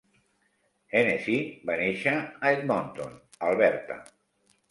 Hennessy va néixer a Edmonton, Alberta.